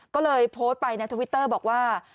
ก็เลยโพสต์ไปในทวิตเตอร์บอกว่า